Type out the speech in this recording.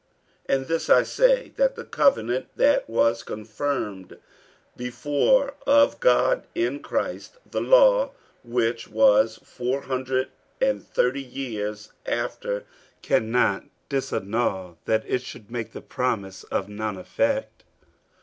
48:003:017 And this I say, that the covenant, that was confirmed before of God in Christ, the law, which was four hundred and thirty years after, cannot disannul, that it should make the promise of none effect.